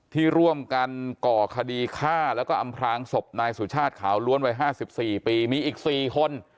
ที่ร่วมกันก่อคดีฆ่าแล้วก็อำพลางศพนายสุชาติขาวล้วนวัย๕๔ปีมีอีก๔คน